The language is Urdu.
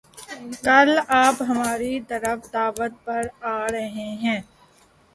کل آپ ہماری طرف دعوت پر آرہے ہیں